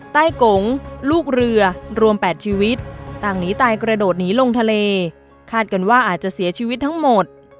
ใต้กงลูกเรือรวม๘ชีวิตต่างหนีตายกระโดดหนีลงทะเลคาดกันว่าอาจจะเสียชีวิตทั้งหมด